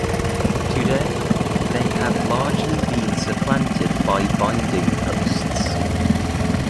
Today, they have largely been supplanted by binding posts.